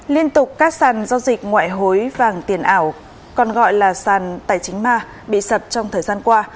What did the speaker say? liên tục các sàn giao dịch ngoại hối vàng tiền ảo còn gọi là sàn tài chính ma bị sập trong thời gian qua